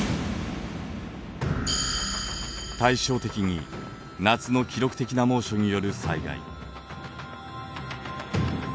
対照的に夏の記録的な猛暑による災害。